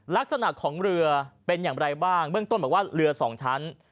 ลักษณะของเรือเป็นอย่างไรบ้างเบื้องต้นบอกว่าเรือสองชั้น